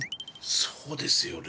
そうですよね。